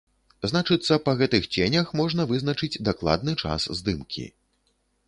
Значыцца, па гэтых ценях можна вызначыць дакладны час здымкі.